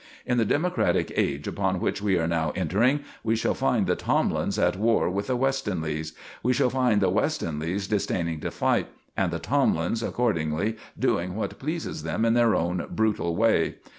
In the democratic age upon which we are now entering, we shall find the Tomlins at war with the Westonleighs; we shall find the Westonleighs disdaining to fight, and the Tomlins accordingly doing what pleases them in their own brutal way.